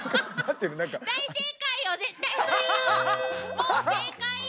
もう正解よ！